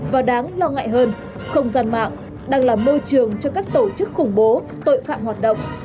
và đáng lo ngại hơn không gian mạng đang là môi trường cho các tổ chức khủng bố tội phạm hoạt động